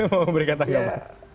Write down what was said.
mau berikan tanggapan